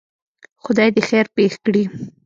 خدای دی خیر پېښ کړي.